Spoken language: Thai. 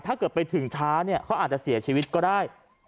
ถ้าเกิดไปถึงช้าเนี่ยเขาอาจจะเสียชีวิตก็ได้